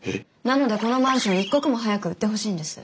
なのでこのマンション一刻も早く売ってほしいんです。